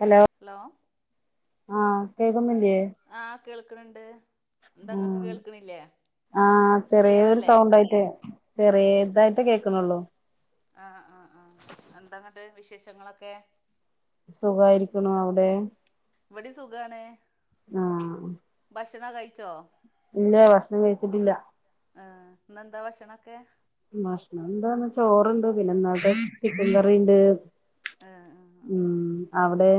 Hello hello ആഹ് അഹ് കേക്കുന്നില്ലേ ആഹ് കേൾക്ക്ണ് ണ്ട് എന്താ ഇങ്ങക്ക് ഉം കേൾക്കണില്ലേ ആഹ് ചെറിയൊരു ക്ലിയറല്ലേ സൗണ്ട് ആയിട്ട് ചെറിയ ഇതായിട്ട് കേക്കുണുള്ളൂ ആഹ് ആഹ് ആഹ് എന്തന്നിട്ട് വിശേഷങ്ങളൊക്കെ സുഖായിരിക്കുണു അവിടെ ഇവിടെം സുഖാണ് ആഹ് ഭക്ഷണോ കഴിച്ചോ ഇല്ല ഭക്ഷണം കഴിച്ചിട്ടില്ല ആഹ് ഇന്നെന്താ ഭക്ഷണോക്കെ ഭക്ഷണന്താന്നേച്ച ചോറിണ്ട് പിന്നെ ഇന്നലത്തെ ചിക്കൻ കറീണ്ട് ആഹ് ഉം അവടെ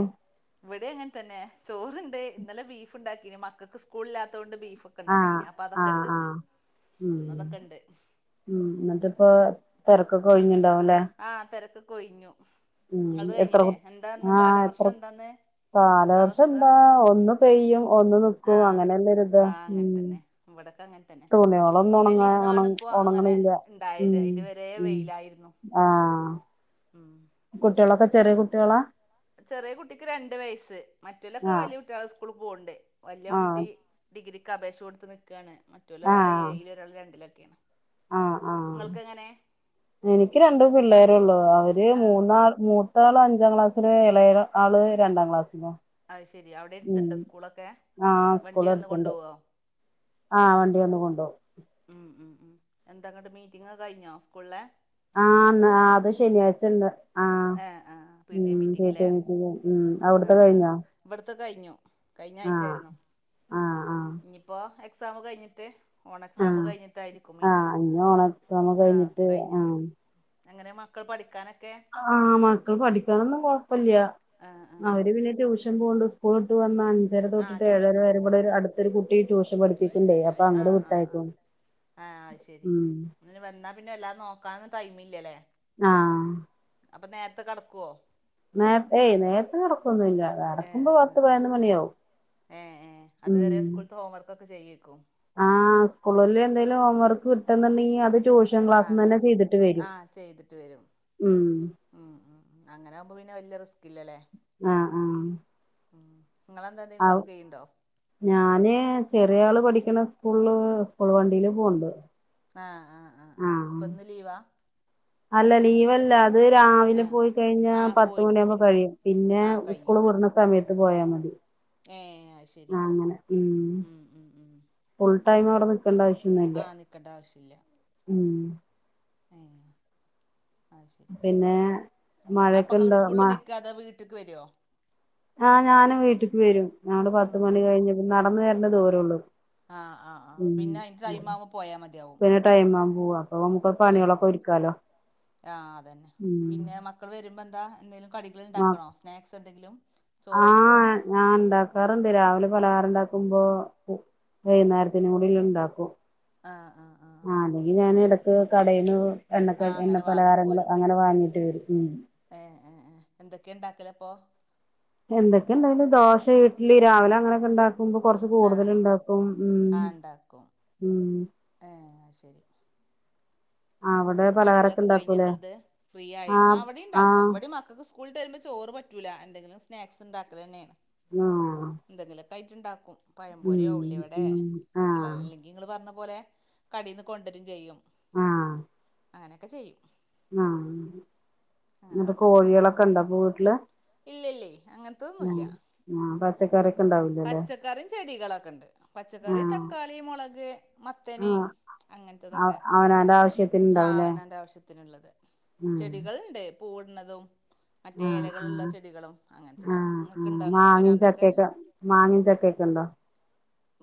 ഇവിടെ അങ്ങനെ തന്നെ ചോറിണ്ട് ഇന്നലെ ബീഫ് ഉണ്ടാക്കിന് മ ക്കൾക്ക് സ്കൂളില്ലാത്തോണ്ട് ബീഫ് ഒക്കെ ആഹ് ഉണ്ടാക്കീന് അപ്പൊ അതൊക്കെ ആഹ് ഇണ്ട് ഇന്ന് ആഹ് ഉം ഇന്ന് അതൊക്കെണ്ട് ഉം എന്നിട്ടിപ്പ തിരക്കൊക്കെ ഒ യിഞ്ഞിണ്ടാവുല്ലേ ആഹ് തിരക്കൊക്കെ യിഞ്ഞു ങ്ങളത് എത്ര കയിഞ്ഞില്ലേ എന്താന്ന് കാലവർഷം എന്താന്ന് കാലവർഷ അവസ്ഥ എന്താ ഒന്ന് പെയ്യും ഒന്ന് നിക്കും ആഹ് അങ്ങനല്ലോരു ഇതാ ആഹ് ഉം അങ്ങനെ തന്നെ ഇവിടൊക്കെ അങ്ങ തന്നെ തുണികളൊന്നും ഉണങ്ങ ഇന്നലി ഉണ ഇന്നാണു ഇപ്പോ അങ്ങനെ ഉണങ്ങണില്ല ഇണ്ടായത് ഉം അതിന്റെ വരെ ഉം വെയിലായിരുന്നു ആഹ് ഉം കുട്ട്യോളൊക്കെ ചെറിയ കുട്ട്യൊളാ ചെറിയ കുട്ടിക്ക് രണ്ട് വയസ്സ് മറ്റേലൊക്കെ ആഹ് വലിയ കുട്ടികള സ്കൂളി പോവണ്ട് വല്യ ആഹ് കുട്ടി ഡിഗ്രിക്ക് അപേക്ഷ കൊടുത്ത് നിക്കാണ് മറ്റോല് ഒരാൾ എയില് ഒരാൾ രണ്ടിലൊക്കെയാണ് അ ആഹ് നിങ്ങൾക്ക് എങ്ങനെ എനിക്ക് രണ്ടു പിള്ളേരുള്ളൂ അവര് ആഹ് മൂന്ന പ്പ മൂത്ത ആൾ അഞ്ചാം ക്ലാസ്സില് ഇളയ ആള് രണ്ടാ ക്ലാസ്സില് അയ്ശേരി അവിടെ എട്ത്ത്ണ്ടാ സ്കൂളൊക്കെ ആഹ് സ്കൂൾ വണ്ടി വന്ന് അടുത്തുണ്ട് കൊണ്ടോവോ ആഹ് വണ്ടി വന്ന് കൊണ്ടോവു ഉം ഉം ഉം എന്താങ്ങട്ട് മീറ്റിംങ് ഒക്കെ കഴിഞ്ഞോ സ്കൂളിലെ ആഹ് ആന്ന് അത് ശനിയാഴ്ച ഇണ്ട് A ah P T A മീറ്റിങ്ല്ലേ മീറ്റിംഗ് ഉം അവിടുത്തെ ആഹ് ആഹ് കഴിഞ്ഞോ ഇവിടുത്തെ കയിഞ്ഞു കയിഞ്ഞ ആഹ് ആഴ്ചായിരുന്നു ആഹ് ആഹ് ഇനിയിപ്പോ എക്സാമ് കഴിഞ്ഞിട്ട് ഓണ എക്സാമ് ആഹ് കയിഞ്ഞിട്ടായിരിക്കും ആഹ് മീറ്റിങ് ഇനി ഓണം എക്സാം ആഹ് കഴിഞ്ഞിട്ട് ആഹ് കയിഞ്ഞിട്ട് എങ്ങനെ മക്കൾ പഠിക്കാനൊക്കെ ആഹ് മക്കൾ പഠിക്കാനൊന്നും കൊഴപ്പില്ല ആഹ് ആഹ് അവര് പിന്നെ ട്യൂഷൻ പോണ്ട്. സ്കൂളിട്ട് വന്ന- അഞ്ചര ആഹ് തൊട്ടിട്ട് ഏഴര ട്യൂഷന് വരേ ഇവിടെ പോകൂലേ ഒരു അടുത്തൊരു കുട്ടി ട്യൂഷൻ പിഠിപ്പിക്കണ്ടേ അപ്പോ അങ്ങട് ആഹ് ആഹ് ആഹ് വിട്ടായിക്കും. ആഹ് അത് ശരി ഉം. അങ്ങനെ വന്നാ പിന്നെ എല്ലാം- നോക്കാനും ടൈമില്ലല്ലേ? ആഹ്. അപ്പോ നേരത്തെ കെടക്കോ? നേരത്തെയ് നേരത്തെ കെടക്കൊന്നുല്ല. കെടക്കുമ്പോ ഏഹ് ആഹ് പത്ത് ആഹ് പതിനൊന്ന് ആഹ് മണിയാവും ഏഹ് ഏഹ് അതുവരെ ഉംഹ്. സ്കൂളത്തെ ഹോംവർക്കൊക്കെ ചെയ്യേക്കും ആഹ് സ്കൂളിൽ എന്തെങ്കലും, ഹോംവർക്ക് വിട്ടന്ന്ണ്ടെങ്കിൽ അത്. ട്യൂഷൻ ആഹ് അങ്ങനെ ക്ലാസ്സ്ന്നെ ചെയ്യും ചെയ്തിട്ട് വരും ഉംഹ്. ഉംഹ്, ഉംഹ് അങ്ങനെ ആവുമ്പോ പിന്നെ വല്ല്യ റിസ്കില്ലല്ലേ. ആഹ് ആഹ്. ഉംഹ് നിങ്ങെളന്താന്തേലും ആഹ് വർക്ക് യ്യുണ്ടോ? ഞാന് ചെറിയ ആള് പഠിക്കണ- സ്കൂള് സ്കൂൾ വണ്ടിയില് പോണ്ട്. ആഹ് ആഹ് ആഹ് ആഹ് അപ്പോ ഇന്ന് ലീവാ? അല്ല ലീവല്ല അത് രാവിലെ ആഹ് പോയി കഴിഞ്ഞ ആഹ് പത്ത് പോയിട്ട് മണിയാവുമ്പോ പിന്നെ കഴിയും, പിന്നെ ആഹ് കഴിയും സ്കൂള് വിട്ട്ണ സ- സമയത്ത് പോയാ മതി. ഏഹ് ആ, അയ്ശരി അങ്ങനെ ഉം ഉംഹ്, ഉംഹ്, ഉംഹ്. ഫുൾ ടൈം അവിടെ നിക്കണ്ട ആവശ്യൊന്നു ഇല്ല. കെണ്ടാവശ്യല്ല. ഉംഹ്. ഏഹ് അത് ശരി പിന്നെ അപ്പം മഴയൊക്കെ നിങ്ങൾ ഉണ്ടോ മ സ്കൂളിൽ നിൽക്ക- [unintelligible] വീട്ട്ക്ക് വരോ? ആഹ് ഞാനും വീട്ട്ക്ക് വരും. ഞങ്ങൾ ഉം പത്ത് മണി ഉം കഴിഞ്ഞപ്പോ- നടന്ന വരണ്ട ദൂരൊള്ളൂ. ആഹ്, ആഹ്, ആഹ്, പിന്നെ അയിന്റെ ടൈമാവുമ്പോ പോയാൽ മതിയാവും. ടൈമാവുമ്പോ അപ്പോ നമുക്ക് ഏഹ് പണികളൊക്കെ ഒരുക്കാലോ ആഹ് അതന്നെ പിന്നെ ഉംഹ്. മക്കൾ വരുമ്പോ എന്താ? എന്തെിലും കടികൾ ഉണ്ടാക്കണോ? സ്നാക്സ് എന്തെങ്കിലും. ചോറ് കഴിക്കുവോ ആഹ് ഞാൻ ണ്ടാക്കാറുണ്ട്. രാവിലെ പലഹാരംണ്ടാക്കുമ്പോ. വൈന്നാരത്തിനുകൂടിള്ളത്- ണ്ടാക്കും. ആഹ് ആഹ് ആ ആഹ് അല്ലെങ്കിൽ ഞാൻ ഇടക്ക് കടയിന്ന്. എണ്ണ ആഹ് എണ്ണ അങ്ങനെ പ്പലഹാരങ്ങൾ വാങ്ങിപ്പോരും അങ്ങനെ വാങ്ങിയിട്ട് വരും, ഉംഹ്. ഏഹ്, ഏഹ്, ഏഹ് എന്തൊക്കെയ ഉണ്ടാക്കല് അപ്പോ? എന്തൊക്കെ ന്തായാലും ദോശ, ഇഡ്ലി രാവിലെ അങ്ങനെയൊക്കെ ഉണ്ടാക്കും. ക്കുമ്പോ കൊറ്ച്ച് കൂടുതൽ ആഹ് ആഹ് ഉണ്ടാക്കും ഉംഹ്, ആഹ് ഉണ്ടാക്കും ഉംഹ്. ഏഹ് അയ്ശരി. അവിടെ ങ്ങട്ട് പലഹാരൊക്കെ പണികളൊക്കെ കഴിഞ്ഞോ? ഉണ്ടാക്കൂലേ നിങ്ങള്ത്. ഫ്രീ ആയോ? ആ ആഹ് ഇവി ടീം ണ്ടാക്കും, ആഹ് വിടീം മക്ക- സ്കൂൾ വിട്ട്‌ വരുമ്പോ ചോറ് പറ്റൂല എന്തെങ്കിലും സ്നാക്സ് ണ്ടാക്കലെന്നെയാണ്. ആഹ് എന്തെങ്കിലൊ- ക്കായിട്ടുണ്ടാക്കും. ഉം പഴംപൊരിയോ, ഉള്ളിവടെ. ഉം നിങ്ങള ആഹ് അല്ലെങ്കിൽ നിങ്ങൾ- പറഞ്ഞ പോലെ കടീന്ന് കൊണ്ടരും ചെയ്യും. ആഹ് അങ്ങനെയൊക്കെ ചെയ്യും. ആഹ് അങ്ങനെ ന്ന്ട്ട് കോഴികളൊക്കെ വീട്ട്ല്. ഇല്ലല്ലേ ല്ലേ അങ്ങനത്തൊന്നുല്ല. ആഹ് പച്ചക്കറിയൊക്കെ ഉണ്ടാവില്ലേ. പച്ചക്കറിം ചെടികളൊക്കെ ഉണ്ട്. പച്ചക്കറി ആഹ് തക്കാളി മൊളക്. മത്തന്. ആഹ് അങ്ങൻത്തതൊക്കെ, അവനാന്റെ ആവശ്യത്തിന് ആ ഉണ്ടാവൂലേ അവനന്റെ ആവശ്യത്തിനുള്ളത്, ഉം ചെടികൾ ഉണ്ട്. പൂവ്ട്ന്നതും, മറ്റേ ആഹ് എലകളുള്ള ആഹ് ചെടികളും അങ്ങന് ആഹ് ത്തതൊക്കെ. ഇങ്ങക്ക്ണ്ടോ? അങ്ങൻതെ മാങ്ങിം പിരാന്തൊക്കെ? ചക്കയൊക്കെ ആഹ് മാങ്ങിം, ചക്കയൊക്കെ ഉണ്ടോ?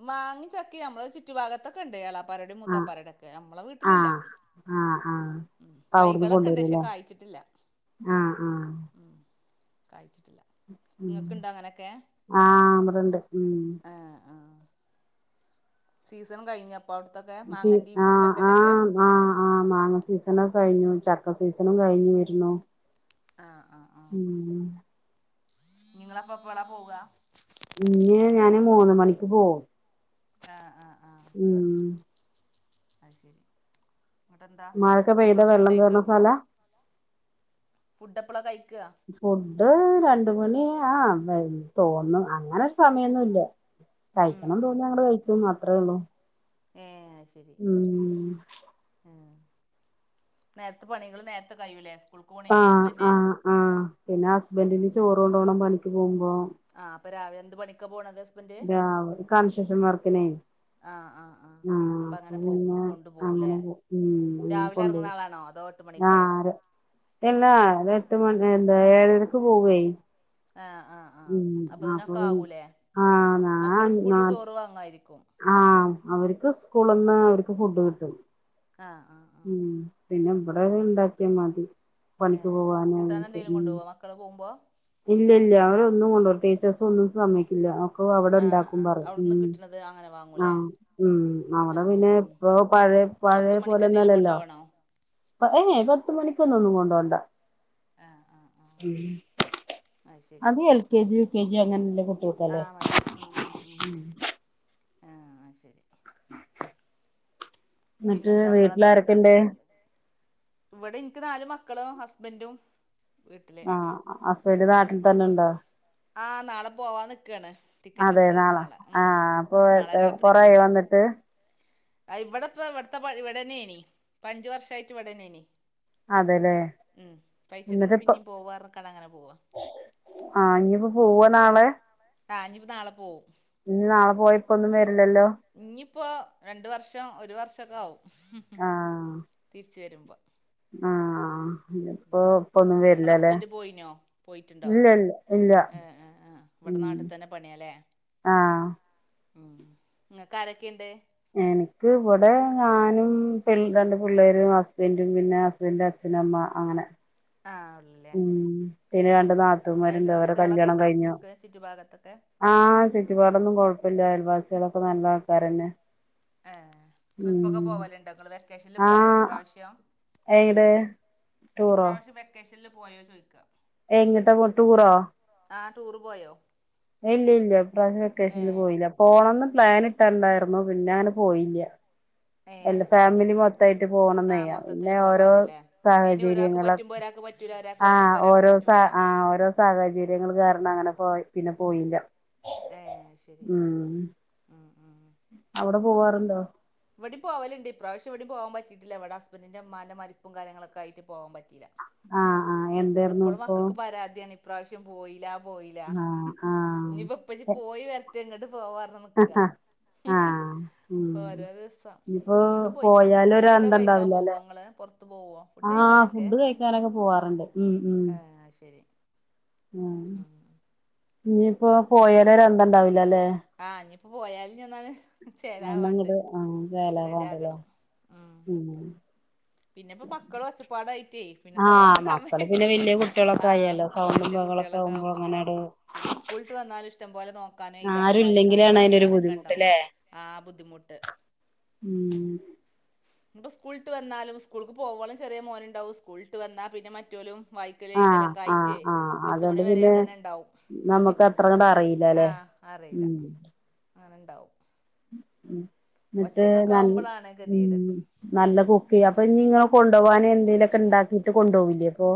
മാങ്ങിം, ചക്കും, നമ്മള് ചു- റ്റു ഭാഗത്തൊക്കെ ഉണ്ട്. ഏളാപ്പാരോടെയും, ആഹ് മൂത്താപ്പാര രോടക്കെ നമ്മള വീട്ടിലില്ല. ആഹ് ആഹ് ആഹ് ഉം അപ്പ അവിടുന്ന് തൈകളൊക്കണ്ട്. ഷെ കൊണ്ടുവരുല്ലേ കായിച്ചിട്ടില്ല. ആഹ് ആഹ് ഉം കാഴ്ച്ചിട്ടില്ല. ഉം ഇങ്ങക്ക്ണ്ടൊ അങ്ങനൊക്കെ. ആഹ് ഇവിടണ്ട് ഉം ആഹ് ആഹ്. സീസണും കഴ്ഞ്ഞപ്പൊ അവ്ട്ത്തൊക്കെ സീ മാങ്ങന്റിം ആഹ് ചക്കൻ്റൊക്കെ. ആഹ് ആഹ് ആഹ് മാങ്ങ സീസണ് കഴിഞ്ഞു. ചക്ക സീസണും കഴിഞ്ഞു വരുന്നു. ആഹ് ആഹ് ആഹ് ഉം ഞിങ്ങളപ്പെപ്പള പോവ ഇഞീ ഞാന് മൂന്ന് മണിക്ക് പോവും ആഹ് ആഹ് ആഹ് ഉം അത് ശരി എന്നിട്ടെന്താ മഴൊക്ക ഇനി പെയ്ത എപ്പളാ ഫുഡ് വെള്ളം കഴിക്ക കൂട്ണ സ്ഥല ഫുഡ്ഡെപ്പള കഴിക്ക ഫുഡ്ഡ് രണ്ട് മണി ആഹ് തോന്നും അങ്ങനൊര് സമയൊന്നുല്ല ഉം കഴിക്കണം ഉം തോന്നിയ അങ്ങ്ട് ഉം കഴിക്കും അത്രെ ഉള്ളു ഏഹ് അത് ശരി ഉം നേര്ത്തെ പണികള് നേര്ത്തെ കയ്യൂലെ സ്കൂള് ആഹ് ആഹ് ആഹ് പിന്ന ഉം ഹസ്ബന്റിന് ഉം ചോറ് കൊണ്ടോണം പണിക്ക് പോവുമ്പോ ആഹ് അപ്പ രാവിലെ എന്ത് പണിക്ക പോണത് സ് കൺശെഷൻ വർക്കിനെ ആഹ് ആഹ് ആഹ് അപ്പൊ അങ്ങനെ പിന്നെ പോവുമ്പൊ കൊണ്ടു പോവൂലെ അങ്ങനെ പോ ഉം രാവിലെ കൊണ്ടോവും എറങ്ങ്ണളാണൊ അതോ എട്ട് മണിക്കോ ആഹ് തെ ഇല്ലാ ഒര് എട്ട് മണി എന്ത ഏഴരക്ക് പോവെ ആഹ് ആഹ് ആഹ് അപ്പതിനൊക്കാകൂലേ ആഹ് നാ മക്കള് നാ സ്കൂൾന്ന് ചോറ് വാങ്ങായിരിക്കും ആഹ് അവര്ക്ക് സ്കൂള്ന്ന് അവര്ക്ക് ഫുഡ് കിട്ടും ആഹ് ആഹ് ആഹ് ഉം പിന്ന ഇവടാ ആഹ് ഇണ്ടാക്ക്യ മതി പണിക്ക് പോവാനും ഒകെ ഉം പോവുമ്പോ ഇല്ലല്ല അവരൊന്നും കൊണ്ടൊ ടീച്ചേഴ്സൊന്നും സമയ്ക്കില്ല ക്ക അവടെ ആഹ് ഇണ്ടാക്കും ആഹ് പറിം അവിടുന്ന് ഉം കിട്ടണത് അങ്ങനെ വാങ്ങൂലേ ആഹ് ഉം അവടെ പിന്നെ ഇപ്പൊ പഴയെ പഴേ പോലെ ക്കെന്തേലും കൊണ്ടോവണൊ ഏയ് പത്ത് മണിക്കൊന്നൊന്നും കൊണ്ടോണ്ട ആഹ് ആഹ് ആഹ് ഉം അത് L K G U K G അങ്ങന്ല്ല ആഹ് മതി ഉം ഉം ഉം ആഹ് ശരി എന്നിട്ട് പിന്നെന്താ ഇങ്ങളെന്താ ങ്ങ്ട്ട് വീട്ടിലാരൊക്കെണ്ട് ഇവടെ ഇൻക്ക് നല് മക്കളും ഹസ്ബന്റും ആഹ് ഹസ്ബന്റ് നാട്ടിൽ തന്നണ്ടൊ ആഹ് നാളെ പോവാ ന്ന്ക്കാണ് അതെ ടിക്കറ്റ്ട്ത്ത് നാളെ ഉം ഉം ആഹ് അപ്പൊ നാളെ രാത്രി കൊറെയായോ പോവും വന്നിട്ട് ആഹ് ഇവടപ്പ ഇവിട്ത്ത പര് ഇവടെന്നേണ് ഇപ്പ അഞ്ച് വർഷായിട്ട് ഇവിടന്നേന് അതെല്ലേ ഉം എന്നിട്ട് പൈച്ച്ക്കന്ന് ഇപ്പ പിന്നീം പോവാർക്കാട് അങ്ങന പോവ ആഹ് ഇഞിപ്പൊ പോവ നാളെ ആഹ് ഇഞിപൊ നാള പോവും ഇനി നാളെ പോയ ഇപ്പൊന്നും വര്ലല്ലൊ ഇഞിപ്പോ രണ്ട് വർഷം ഒരു വർഷക്കാവും ആഹ് തിര്ച്ച് വരുമ്പൊ ആഹ് ഉം ഇപ്പൊ ഇപ്പൊന്നും ഉം ഇങ്ങള വരില്ലല്ലേ ഹസ്ബന്റ പോയീനോ പോയിട്ട്ണ്ടൊ ഇല്ല ഇല്ല ഇല്ല ഏഹ് ആഹ് ആഹ് ഇവട ഉം നാട്ടി തന്നെ പണിയാലെ ആഹ് ഉം ഇങ്ങക്ക് ആരെക്കേണ്ട് എനിക്ക് ഇവടെ ഞാനും പിൾ രണ്ട് പിള്ളാരും ഹസ്ബന്റും പിന്നെ എൻ്റെ അച്ഛനമ്മ അങ്ങനെ ആഹ് ഒള്ള്ല്ലേ ഉം പിന്നെ രണ്ട് നാത്തൂമാരുണ്ട് അവരെ അയൽവാസികളൊക്കെ ഉണ്ടോ നിങ്ങക്ക് ചുറ്റു ഭാഗത്തൊക്കെ ആഹ് ചുറ്റുപാടൊന്നും കൊഴപ്പല്ല അയൽവാസികളൊക്കെ നല്ല ആൾക്കാരന്നെ ഏഹ് ഉം ട്രിപ്പൊക്കെ പോവാലുണ്ടോ ഇങ്ങള് വെക്കേഷനില് ആ പോയോ ഇപ്രാവശ്യം എങ്ങട് ടൂറോ വെക്കേഷനിലു പോയോ ചോദിക്ക എങ്ങിട്ട പോണേ ടൂറോ ആഹ് ടൂറ് പോയോ ഏഹ് ഇല്യ ഇല്യ ഇപ്രാവശം വെക്കേഷനില് ഏ പോയില്ല പോണം എന്ന് പ്ലാൻ ഇട്ടുണ്ടാരുന്നു പിന്നെ അങ്ങനെ പോയില്ല ഏ അല്ല ശരി ഫാമിലി മൊത്തായിട്ട് ആ പോണന്നേ പിന്നെ മൊത്തത്തില് ഓരോ പോവാനല്ലേ അയിന് ഒരാൾക്ക് സാഹചര്യങ്ങള പറ്റുമ്പോ ഒരാൾക്ക് പറ്റൂല ഒരാൾക്ക് ആഹ് പറ്റുമ്പോ ഒരാൾക്ക് ഓരോ സ പറ്റൂല ആഹ് ഓരോ സാഹചര്യങ്ങള് കാരണം അങ്ങനെ പോയി പിന്നെ പോയില്ല ഏഹ് ശരി ഉം ആഹ് ആഹ് അവിടെ പോവാറുണ്ടോ എവിടെം പോവലുണ്ട് ഇപ്രാവശ്യം ഇവിടെം പോകാൻ പറ്റിട്ടില്ല ഇവിട ഹസ്ബന്റിന്റെ് ഉമ്മാന്റെ മരിപ്പും കാര്യങ്ങളൊക്കെ ആയിറ്റ് പോവാൻ പറ്റീല്ല ആഹ് ആഹ് എന്തായിരുന്നു എപ്പളും ഇപ്പൊ മക്കക്ക് പരാതിയാണ് ഇപ്രാവശ്യം പോയില്ല പോയില്ല ആഹ് ഇഞ്ഞി ഇപ്പം ഉപ്പച്ചി ആഹ് പോയി വരട്ടെ എങ്ങ്ട്ട് പോവാന്ന് നിക്ക ആഹ് ഉം ഓരോ ദിവസം ഇനിയിപ്പോ ഇങ്ങോട്ടും പോയിറ്റില്ല പോയാലും ഒരു ഫുഡ് ഒക്കെ അന്തം കയ്ക്കാൻ ഉണ്ടാവില്ല അല്ലെ പോവോങ്ങള് പുറത് ത്ത് പോവ്വോ ഫുഡ് കയ്ക്കാനൊക്കെ ക്കാനോക്കെ പോവാറുണ്ട് ഉം ആഹ് ശരി ഉം ഇഞ്ഞിപ്പോ പോയാലൊരന്തോണ്ടാവില്ലല്ലേ ആഹ് ഇഞ്ഞിപ്പോ പോയാല് ഇനി എന്നാണ് അവിടുന്ന് ചേലാവാണ്ട് അങ്ങോട്ട് ആഹ് റെഡി ചെലവാണല്ലേ ആക്കണം ഉം പിന്നെപ്പ മക്കള ഒച്ചപ്പാടായിറ്റെ പിന്നെ ആഹ് തോനെ മക്കള് സമയം പിന്നെ വലിയ കുട്ടികളൊക്കെ ആഹ് ആയല്ലോ സൗണ്ടും വല്യ ബഹളൊക്കെ കുട്ടികളൊക്കെ ആകുമ്പോ ഇങ്ങനെ അങ്ങനെട് പിന്നെ സ്കൂൾട്ട് വന്നാലും ഇഷ്ടം പോലെ നോക് ക്കാനും എയ്താനും ആരും വായിക്കാനും ഇല്ലെങ്കിലാണ് അതിനൊരു പഠിക്കാനൊക്കെ ബുദ്ധിമുട്ട് ഉണ്ടാവും ആഹ് ബുദ്ധിമുട്ട് ഉം ഇപ്പോ സ്കൂൾട്ട് വന്നാലും സ്കൂൾക്ക് പോക്വോളം ചെറിയ മോനുണ്ടാവും സ്കൂളിട്ട് വന്നാ പിന്നെ മറ്റോലും വായിക്കല് ആഹ് ആഹ് എയ്തലക്കായിറ്റേ ആഹ് അതുകൊണ്ട് പത്തുമണി വരെ പിന്നെ അതന്നെ ഉണ്ടാവും നമുക്ക് അത്ര അങ്ങട് അറിയില്ലല്ലെ ആഹ് അറിയില്ല അങ്ങന ഉണ്ടാവും ഉം എന്നിട്ട് ഒറ്റക്കൊക്കെ നൻ ആവുമ്പോളാണ് ഉം ഗതികേട് നല്ല കുക്കെയ്യും അപ്പൊ ഇഞ്ഞി നിങ്ങള് കൊണ്ടു പോവാന് എന്തേലെക്കെ ഇണ്ടാക്കിട്ട് കൊണ്ടുപോവ്ല്ലേ അപ്പൊ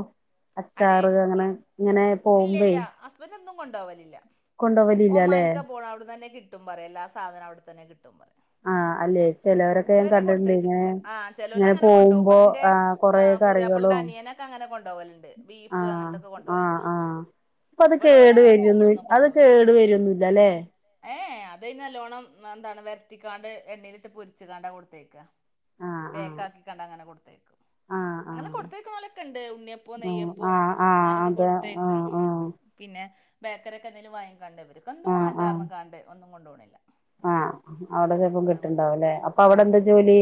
ആര് അച്ചാറ് അങ്ങനെ ഇങ്ങനെ ഇല്ല പോകുമ്പേ ഇല്ല ഹസ്ബന്റ് ഒന്നും കൊണ്ടോവലില്ല കൊണ്ടുപോവലില്ലല്ലെ ഒമാന്ക്ക പോണ അവിട്ന്നന്നെ കിട് ട്ടും പറയാ എല്ലാ സാധനം അവിടെത്തന്നെ കിട്ടും പറയാ ആഹ് അല്ലേ ഉം ചിലവരൊക്കെ ഞാൻ ഇതുവരെ കണ്ടിട്ടുണ്ട് ഇങ്ങനെ കൊടുത്തയച്ചിട്ടില്ല ആഹ് ഇങ്ങനെ ചെലോലങ്ങനെ കൊണ്ട്പോകും പോകുമ്പോ ഇവടെന്റെ കൊറേ ആഹ് പുതിയാപ്പിള്ന്റെ കറികളും അനിയനക്ക അങ്ങനെ കൊണ്ട്പോവലുണ്ട് ബീഫ് അങ്ങനത്തൊക്കെ കൊണ്ട്പോവലുണ്ട് അപ്പ അത് കേട് വരുന്നുവി അത് കേട് വര്വന്നില്ലല്ലേ ഏയ് അതയ്ന് നല്ലോണ്ണം ആഹ് എന്താണ് വരത്തിക്കാണ്ട് എണ്ണയിലിട്ട് പൊരിച്ച്ക്കാണ്ട് കൊടുത്തേക്കാ ആഹ് ആഹ് പേക്കാക്കാണ്ട് അങ്ങനെ കൊടുത്തയക്കും ആഹ് അങ്ങനെ ആഹ് കൊടുത്തേയ്ക്കണോലക്കെണ്ട് ഉണ്ണിയപ്പ് ഉണ്ണി അപ്പം ആഹ് നെയ്യപ്പോം ആഹ് ആഹ് അങ്ങനെക്കെ അതെ കൊടുത്തയക്കും ആഹ് ആഹ് പിന്നെ ബേക്കറിയൊക്കെ എന്തേലും വാങ്ങിക്കാണ്ടേ ഇവരിക്ക്‌ ഒന്തും ആഹ് ആഹ് വണ്ടാപർഞ് കാണ്ടേ ഒന്നും കൊണ്ട് പോണില്ല ആഹ് അവിടെ ചെലപ്പം കിട്ട്ണ്ടാവൂല്ലേ അപ്പൊ ആ അവിടെ എന്താ കിട്ടും ജോലി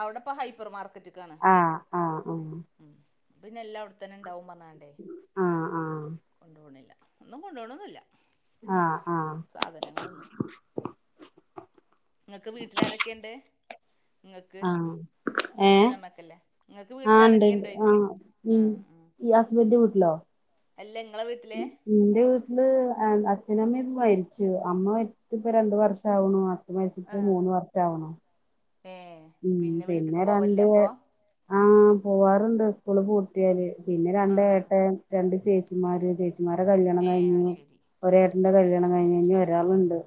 അവിടെപ്പ ഹൈപ്പർ മാർക്കറ്റ്ക്കാണ് ആഹ് ആഹ് ഉം പിന്നെ എല്ലാ അവിടെത്തന്നെ ഉണ്ടാവും പറഞ്ഞാണ്ടേ ആഹ് ആഹ് കൊണ്ടു പോണില്ല ഒന്നും കൊണ്ട് പോണോന്നില്ല ആഹ് ആഹ് സാധനങ്ങളൊന്നും നിങ്ങക്ക് വീട്ടിലാരെക്കെണ്ട് നിങ്ങക്ക് ആഹ് ഏഹ് അച്ഛനും അമ്മേക്കില്ലേ ബങ്ങക്ക് ആഹ് ഇണ്ട് ഇണ്ട് വീട്ടിലാരെക്കെണ്ട് ചോയ്ക്ക ആഹ് ഉം ആഹ് ആഹ് ഈ ഹസ്ബൻന്റെ അല്ല ഇങ്ങളെ വീട്ടിലെ എന്റെ വീട്ടില് ആഹ് അച്ഛനും അമ്മേം മരിച്ചു അമ്മ മരിച്ചിട്ട് ഇപ്പ രണ്ട് വർഷാവണു അ ഛൻ മരിച്ചിട്ട് മൂന്ന് വർഷാവണു ഏഹ് പിന്നെ വീട്ടക്ക് പോവലില്ലേ രണ്ട് അപ്പൊ ആഹ് പോവാറുണ്ട് സ്കൂള് പൂട്ടിയാല് പിന്നെ ആ രണ്ട് ആ ഏട്ടൻ രണ്ട് ചേച്ചിമാര് ചേച്ചിമാരെ കല്യാണം ഏ അത് കഴിഞ്ഞ് ശരി ഒരേട്ടന്റെ കല്യാണം കഴിഞ്ഞ് ഇനി ഒരാളുണ്ട്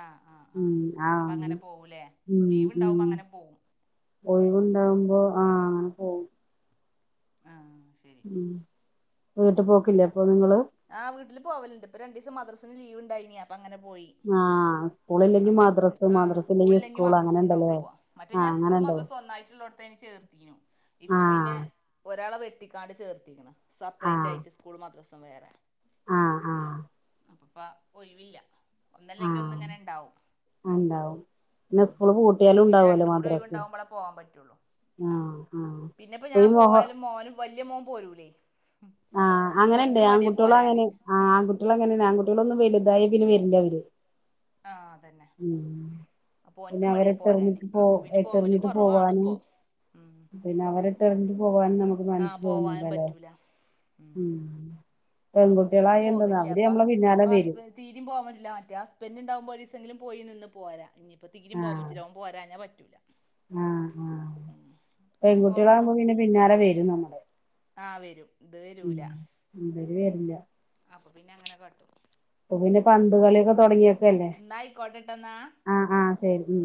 ആ ആഹ് ആ ഉം ആഹ് അപ്പൊ അങ്ങനെ പോകൂല്ലേ ഉം ലീവ് ഉം ഉണ്ടാവുമ്പോ അങ്ങനെ പോകും ഒഴിവുണ്ടാവുമ്പോ ആഹ് അങ്ങനെ പോകും ആ ശരി ഉം വീട്ട് പോക്കില്ലേ അപ്പൊ നിങ്ങള് ആ വീട്ടില് പോകലുണ്ട് ഇപ്പം രണ്ടിസം മദ്രസിന് ലീവ് ഉണ്ടായിനീ അപ്പോ അങ്ങനെ പോയി ആഹ് സ്കൂളില്ലെങ്കി അങ്ങനെ പോയി മദ്രസ് ആ മദ്രസ് ഇല്ലെങ്കി സ്കൂളില്ലെങ്കിൽ സ്കൂൾ മദ്രസ് അങ്ങനെ ഉണ്ടാവും ഉണ്ടല്ലേ ഇപ്പ മറ്റേ ആഹ് ഞാൻ സ്കൂളും അങ്ങനെണ്ട് മദ്രസും ഒന്നായി ഉള്ളടത്തേനു ചേർത്തീനു ഇപ്പൊ പിന്നെ ആഹ് ഒരാളെ വെട്ടിക്കാണ്ട് ചേർത്തിക്ക്ണ് സെപ്പറേറ്റ് ആഹ് ആയിട്ട് സ്കൂൾ മദ്രസും വേറെ ആഹ് ആഹ് അപ്പപ്പാ ഒഴിവില്ല ഒന്നല്ലെങ്കിൽ ഒന്ന് ആഹ് ഇങ്ങനെ ഇണ്ടാവും ഉണ്ടാവും പിന്നെ ഉം സ്കൂള് പൂട്ടിയാലും പിന്നെ ഉണ്ടാവുമല്ലോ രണ്ടും കൂടി ഒഴിവു മദ്രസ് ണ്ടാവുമ്പോളെ പോവാൻ പറ്റുള്ളു ആഹ് ആഹ് പിന്നെപ്പോ ഇപ്പൊ ഞാൻ ഈ മൊഹ പോയാലും മോന് വല്യ മോന് പോരൂലേ അങ്ങനെുണ്ട് ഓൻക്ക് മടിയാ ആൺകട്ടികളൾ പോരാന് അങ്ങനെ ഇണ്ട് ആ ആൺകുട്ട്യാൾ അങ്ങനെണ്ട് ആൺകുട്ട്യാള് ഒന്ന് വലുതായി പിന്നെ വരില്ല അവര് ആ അതന്നെ ഉം അപ്പോ പിന്നെ ഓന്ക്ക് മടിയാ പോരാന് അവരെട്ടെറിഞ്ഞിട്ട് പോ അപ്പൊ പിന്നെ പോവല് എട്ടെറിഞ്ഞിട്ട് കുറവാണ് പോവാനും ഇപ്പോ ഉം പിന്നെ അവരെ ഇട്ടേറിഞ്ഞ്ട്ട് പോകാനും നമുക്ക് ആ മനസ് പോവാനും തോന്നുലല്ലേ പറ്റൂല ഉം അപ്പൊ പെൺകുട്ടികളായാ എന്തന്ന അവര് നമ്മളെ പിന്നാലെ വരും തീരിം പോവൻ പറ്റില്ല മറ്റേ ഹസ്ബന്റ് ഉണ്ടാവുമ്പോ ഒരീസം എങ്കിലും പോയി നിന്ന് പോരാ ഇഞി ഇപ്പെ തീരിം പോവാൻ ആഹ് പറ്റൂല ഓൻ പോരഞ്ഞാൽ പറ്റൂല ആഹ് ആഹ് പിന്നെ പോകാൻ പെൺകുട്ടികളാകുമ്പോ പിന്നെ നോക്കൂല പിന്നാലെ വരും നമ്മളെ ആ വരും ഇത് ഉം വരൂല ഇവര് വരില്ല അപ്പൊ പിന്നെ അങ്ങനെ കാട്ടും ഇപ്പം പിന്നെ പന്തുകളിയൊക്കെ തുടങ്ങിയപ്പോല്ലെ എന്നാ ആയിക്കോട്ടെട്ടന്നാ ആഹ് ആഹ് ശരി ഉം